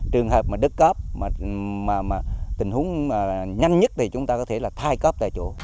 trường hợp đứt cấp tình huống nhanh nhất thì chúng ta có thể thay cấp